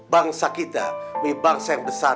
bangsa kita ini bangsa yang besar